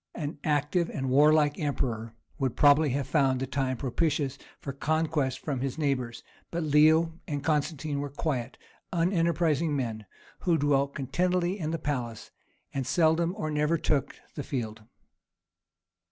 An active and warlike emperor would probably have found the time propitious for conquest from his neighbours, but Leo and Constantine were quiet, unenterprising men, who dwelt contentedly in the palace, and seldom or never took the field.